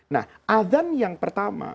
nah adhan yang pertama